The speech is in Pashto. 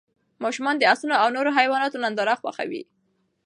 ماشومان د اسونو او نورو حیواناتو ننداره خوښوي.